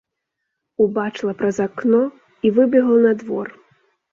Убачыла праз акно і выбегла на двор.